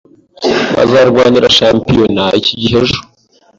Bazarwanira shampiyona iki gihe ejo